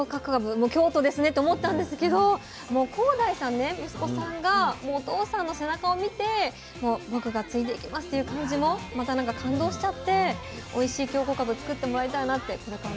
もう京都ですねって思ったんですけどもう耕大さんね息子さんがもうお父さんの背中を見て僕が継いでいきますっていう感じもまた感動しちゃっておいしい京こかぶ作ってもらいたいなってこれからも。